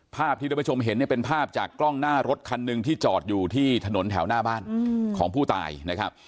ภาพที่ท่านผู้ชมเห็นเนี่ยเป็นภาพจากกล้องหน้ารถคันหนึ่งที่จอดอยู่ที่ถนนแถวหน้าบ้านของผู้ตายนะครับ